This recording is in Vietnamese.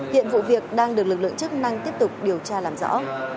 hiện vụ việc đang được lực lượng chức năng tiếp tục điều tra làm rõ